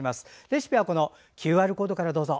レシピはＱＲコードからどうぞ。